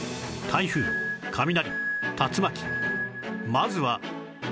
まずは